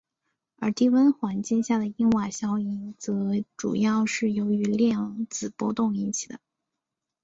而低温环境下的因瓦效应则主要是由于量子波动引起的。